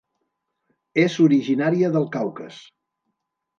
És originària del Caucas.